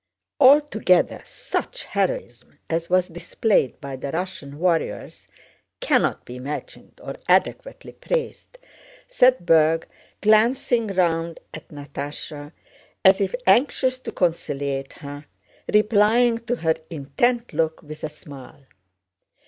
"Altogether such heroism as was displayed by the Russian warriors cannot be imagined or adequately praised!" said Berg, glancing round at Natásha, and as if anxious to conciliate her, replying to her intent look with a smile.